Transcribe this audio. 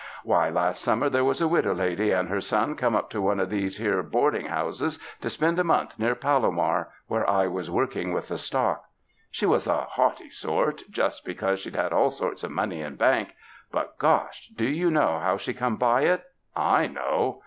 Why, last summer there was a widow lady and her son come up to one of these here boarding houses to spend a month near Palomar, where I was work ing with the stock. She was a haughty sort, just because she'd all sorts of money in bank; but, gosh! do you know how she come by it? I know.